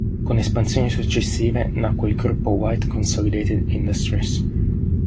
Con espansioni successive nacque il gruppo White Consolidated Industries.